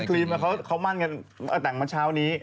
ครีมเขามั่นกันแต่งเมื่อเช้านี้